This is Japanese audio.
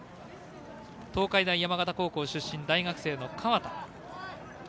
東海大山形高校出身大学生の川田。